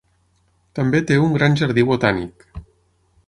També té un gran jardí botànic.